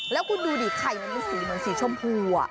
แล้วกูดูดิใก่มันมีสีเฉิมพู